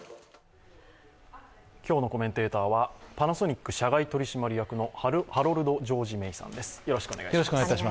今日のコメンテーターはパナソニック社外取締役のハロルド・ジョージ・メイさんです。